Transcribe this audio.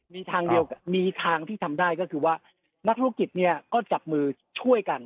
มีทางที่ทำได้ก็คือว่านักธุรกิจเนี่ยก็จับมือช่วยกัน